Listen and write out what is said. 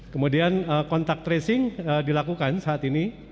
kemudian kontak tracing dilakukan saat ini